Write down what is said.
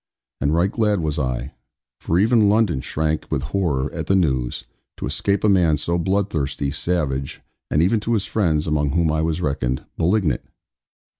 And right glad was I for even London shrank with horror at the news to escape a man so bloodthirsty, savage, and even to his friends (among whom I was reckoned) malignant.